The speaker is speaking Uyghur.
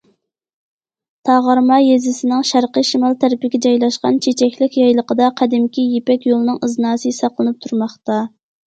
تاغارما يېزىسىنىڭ شەرقىي شىمال تەرىپىگە جايلاشقان چېچەكلىك يايلىقىدا قەدىمكى يىپەك يولىنىڭ ئىزناسى ساقلىنىپ تۇرماقتا.